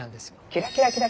キラキラキラ。